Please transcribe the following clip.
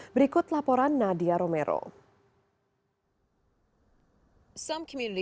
berikut laporan nadia romero